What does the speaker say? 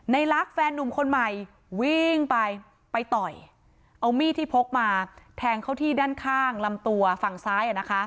ลักษณ์แฟนนุ่มคนใหม่วิ่งไปไปต่อยเอามีดที่พกมาแทงเขาที่ด้านข้างลำตัวฝั่งซ้าย